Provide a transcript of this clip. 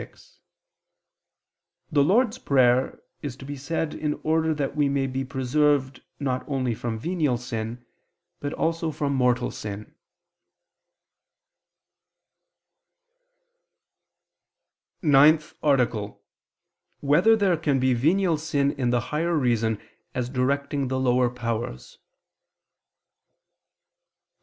6: The Lord's Prayer is to be said in order that we may be preserved not only from venial sin, but also from mortal sin. ________________________ NINTH ARTICLE [I II, Q. 74, Art. 9] Whether There Can Be Venial Sin in the Higher Reason As Directing the Lower Powers?